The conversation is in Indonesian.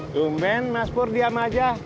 sumpah mas pur diam saja